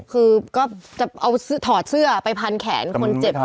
คือก็จะถอดเสื้อไปพันแขนคนเจ็บพี่หนู